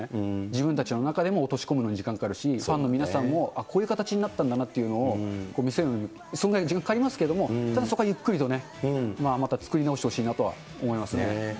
自分たちの中でも落とし込むのに時間かかるし、ファンの皆さんも、あっ、こういう形になったんだなというのを見せる、それは時間がかかりますけれども、そこはゆっくりとね、また作り直してほしいなとは思いますね。